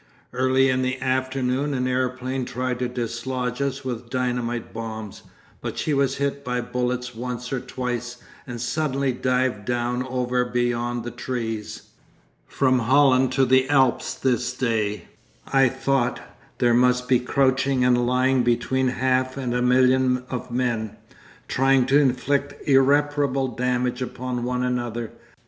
... 'Early in the afternoon an aeroplane tried to dislodge us with dynamite bombs, but she was hit by bullets once or twice, and suddenly dived down over beyond the trees. '"From Holland to the Alps this day," I thought, "there must be crouching and lying between half and a million of men, trying to inflict irreparable damage upon one another.